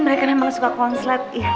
mereka emang suka konslet